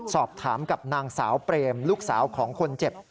สอบถามกับนางสาวเปรมลูกสาวของคนเจ็บ